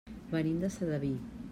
Venim de Sedaví.